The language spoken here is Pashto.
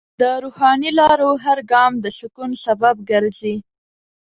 د روحاني لارو هر ګام د سکون سبب ګرځي.